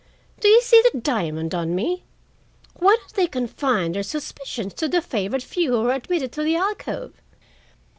"Do you see the diamond on me?" "Why don't they confine their suspicions to the favored few who were admitted to the alcove?"